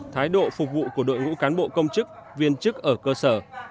thái độ phục vụ của đội ngũ cán bộ công chức viên chức ở cơ sở